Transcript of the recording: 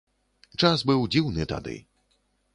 Час быў дзіўны тады.